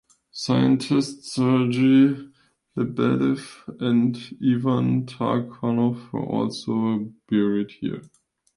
Scientists Sergey Lebedev and Ivan Tarkhanov were also buried here.